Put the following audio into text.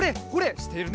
しているね。